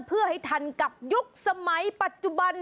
เพื่อให้ทันกับยุคสมัยปัจจุบัน